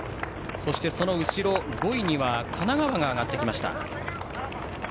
その後ろ、５位に神奈川が上がってきました。